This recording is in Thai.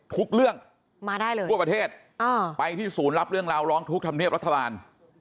ทุกเรื่องมาได้เลยทั่วประเทศไปที่ศูนย์รับเรื่องราวร้องทุกข์ธรรมเนียบรัฐบาล